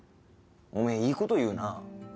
おめえいいこと言うな。